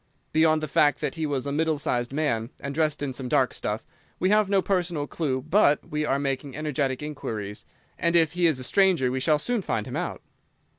Beyond the fact that he was a middle sized man and dressed in some dark stuff, we have no personal clue; but we are making energetic inquiries, and if he is a stranger we shall soon find him out."